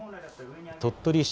鳥取市